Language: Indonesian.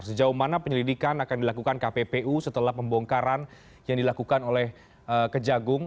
sejauh mana penyelidikan akan dilakukan kppu setelah pembongkaran yang dilakukan oleh kejagung